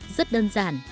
rất đơn giản